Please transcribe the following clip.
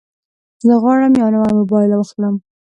زه غواړم یو نوی موبایل واخلم.